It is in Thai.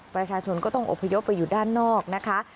ประชาชนก็ต้องอบพยพไปอยู่ด้านนอกนะคะ